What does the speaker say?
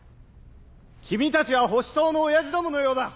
君たちは保守党のオヤジどものようだ！